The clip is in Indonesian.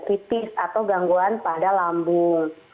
kritis atau gangguan pada lambung